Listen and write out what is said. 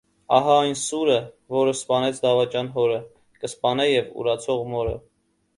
Ահա՜ այն սուրը, որ սպանեց դավաճան հորը, կսպանե և ուրացող մորը։